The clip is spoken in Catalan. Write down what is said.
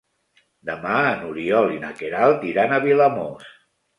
Demà n'Oriol i na Queralt iran a Vilamòs.